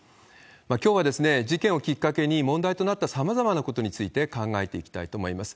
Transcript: きょうは事件をきっかけに、問題となったさまざまなことについて考えていきたいと思います。